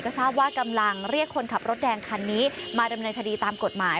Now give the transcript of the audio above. ทราบว่ากำลังเรียกคนขับรถแดงคันนี้มาดำเนินคดีตามกฎหมาย